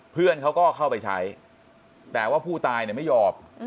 เพื่อนเขาก็เข้าไปใช้แต่ว่าผู้ตายเนี่ยไม่ยอม